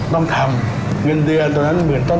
ต้องทำเงินเดือนตรงนั้น๑ต้น